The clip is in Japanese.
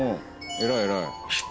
偉い偉い。